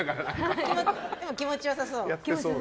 でも気持ちよさそう。